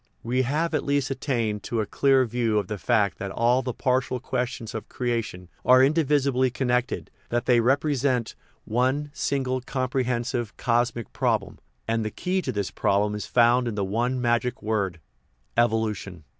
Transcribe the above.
We have at least attained to a clear view of the fact that all the partial questions of creation are indivisibly connected, that they represent one single, comprehensive " cosmic problem," and that the key to this problem is found in the one magic word evolution.